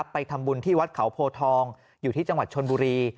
ไปทำบุญที่วัดเขาโพทองอยู่ที่จังหวัดชนบุรี